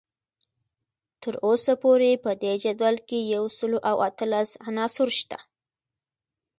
تر اوسه پورې په دې جدول کې یو سل او اتلس عناصر شته